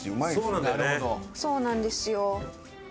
そうなんですよ。